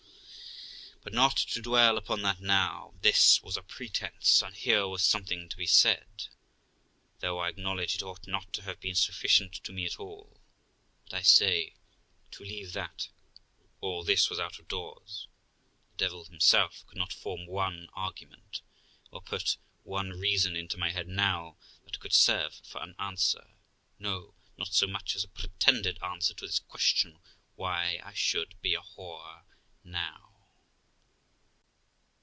But not to dwell upon that now; this was a pretence, and here was something to be said, though I acknowledge it ought not to have been sufficient to me at all ; but, I say, to leave that, all this was out of doors ; the devil himself could not form one argument, or put one reason into my head now, that could serve for an answer no, not so much as a pretended answer to this question, why I should be a whore now.